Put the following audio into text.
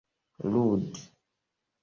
ludi